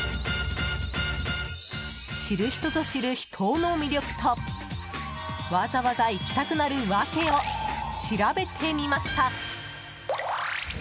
知る人ぞ知る秘湯の魅力とわざわざ行きたくなる訳を調べてみました。